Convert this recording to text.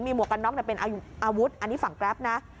มีหมวกกันล้อมเป็นอาวุธอันนี้ฝั่งกราฟนะ